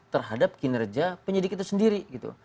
terhadap kinerja penyidik itu sendiri gitu